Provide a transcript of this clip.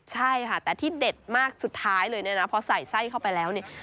ใช่ค่ะแต่ที่เด็ดมากสุดท้ายเลยเนี่ยนะพอใส่ไส้เข้าไปแล้วเนี่ย